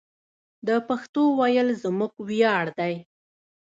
د پښتو ویل زموږ ویاړ دی.